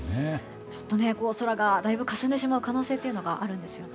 ちょっと空がだいぶかすんでしまう可能性があるんですよね。